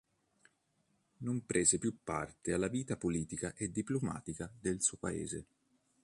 Non prese più parte alla vita politica e diplomatica del suo paese.